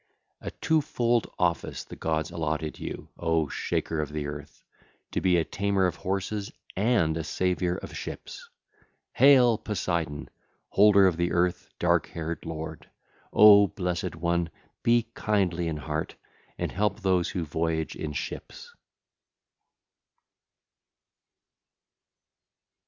A two fold office the gods allotted you, O Shaker of the Earth, to be a tamer of horses and a saviour of ships! (ll. 6 7) Hail, Poseidon, Holder of the Earth, dark haired lord! O blessed one, be kindly in heart and help those who voyage in ships!